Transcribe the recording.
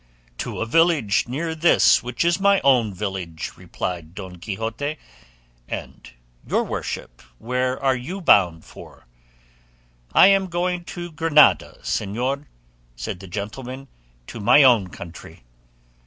"To a village near this which is my own village," replied Don Quixote; "and your worship, where are you bound for?" "I am going to Granada, señor," said the gentleman, "to my own country."